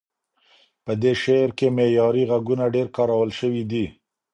په دې شعر کې معیاري غږونه ډېر کارول شوي دي.